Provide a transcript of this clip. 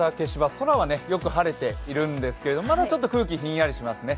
空はよく晴れているんですがまだちょっと空気、ひんやりしますね。